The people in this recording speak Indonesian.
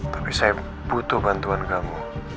tapi saya butuh bantuan kamu